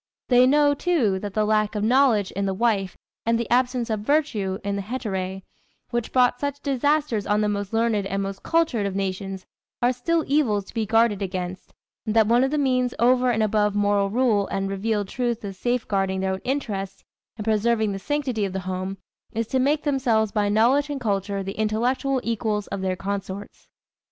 They know, too, that the lack of knowledge in the wife and the absence of virtue in the hetæræ, which brought such disasters on the most learned and most cultured of nations are still evils to be guarded against, and that one of the means over and above moral rule and revealed truth of safe guarding their own interests and preserving the sanctity of the home is to make themselves by knowledge and culture the intellectual equals of their consorts.